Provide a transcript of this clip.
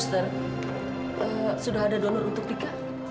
sudah ada donor untuk dika